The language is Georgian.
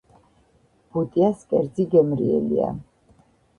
ბუტიას კერძი გემრიელია